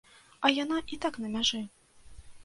А яна і так на мяжы.